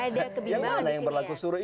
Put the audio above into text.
yang mana yang berlaku surut itu